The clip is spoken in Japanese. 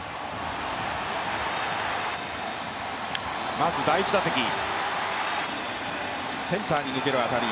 まず第１打席、センターに抜ける当たり。